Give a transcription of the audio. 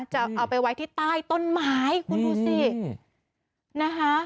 จะเอาไปไว้ที่ใต้ต้นไม้คุณดูสินะคะ